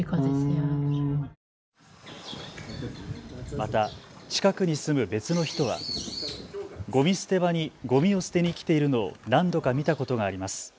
また近くに住む別の人はごみ捨て場にごみを捨てに来ているのを何度か見たことがあります。